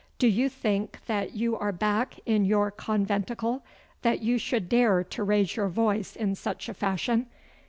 Do you think that you are back in your conventicle, that you should dare to raise your voice in such a fashion?